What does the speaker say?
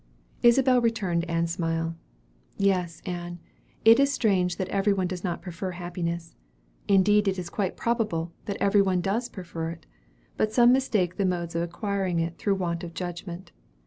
Isabel returned Ann's smile. "Yes, Ann, it is strange that every one does not prefer happiness. Indeed, it is quite probable that every one does prefer it. But some mistake the modes of acquiring it through want of judgment.